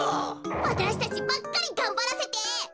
わたしたちばっかりがんばらせて。